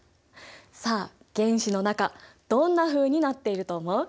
さあ原子の中どんなふうになっていると思う？